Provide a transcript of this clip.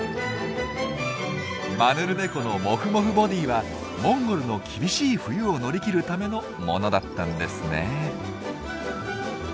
マヌルネコのモフモフボディーはモンゴルの厳しい冬を乗り切るためのものだったんですね。